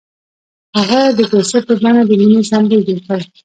هغه د کوڅه په بڼه د مینې سمبول جوړ کړ.